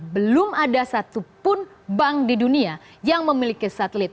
belum ada satupun bank di dunia yang memiliki satelit